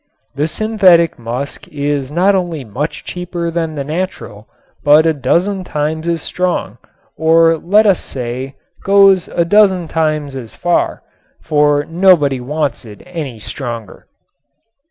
The synthetic musk is not only much cheaper than the natural, but a dozen times as strong, or let us say, goes a dozen times as far, for nobody wants it any stronger.